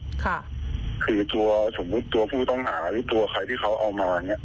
ค่ะคือตัวสมมุติตัวผู้ต้องหาหรือตัวใครที่เขาเอามาอย่างเงี้